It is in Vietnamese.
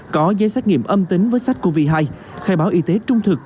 có giấy xét nghiệm âm tính với sách covid hai khai báo y tế trung thực